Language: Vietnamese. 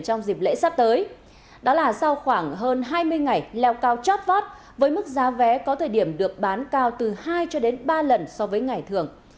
trong dịp lễ sắp tới đó là sau khoảng hơn hai mươi ngày leo cao chót vót với mức giá vé có thời điểm được bán cao từ hai cho đến ba lần so với ngày thường